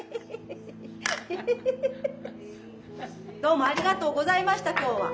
どうもありがとうございました今日は。